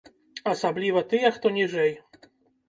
Асабліва тыя, хто ніжэй.